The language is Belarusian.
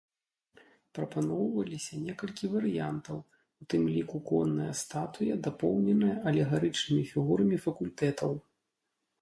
Прапаноўвалася некалькі варыянтаў, у тым ліку конная статуя дапоўненая алегарычнымі фігурамі факультэтаў.